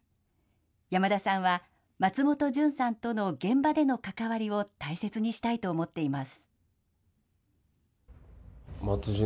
山田さんは松本潤さんとの現場での関わりを大切にしたいと思っています。